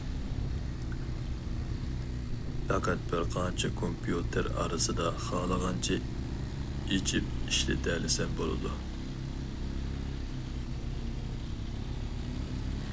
پەقەت بىرقانچە كومپيۇتېر ئارىسىدا خالىغانچە ئېچىپ ئىشلىتەلىسەم بولىدۇ.